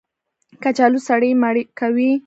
کچالو سړی مړ کوي